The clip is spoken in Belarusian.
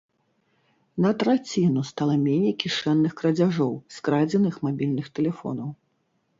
На траціну стала меней кішэнных крадзяжоў, скрадзеных мабільных тэлефонаў.